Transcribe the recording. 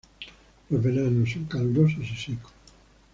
Los veranos son calurosos y secos.